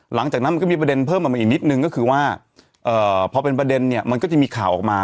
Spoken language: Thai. หลังจากนั้นมันก็มีประเด็นเพิ่มออกมาอีกนิดนึงก็คือว่าพอเป็นประเด็นเนี่ยมันก็จะมีข่าวออกมา